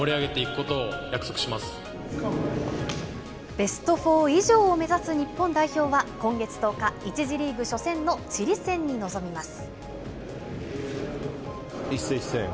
ベストフォー以上を目指す日本代表は今月１０日、１次リーグ初戦のチリ戦に臨みます。